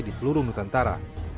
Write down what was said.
di seluruh nusantara